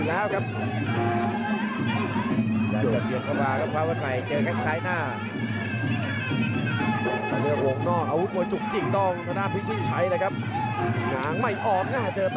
พวกวันใหม่มีแบบมีบทมวยที่ขณะของมายอยู่แล้วกันครับ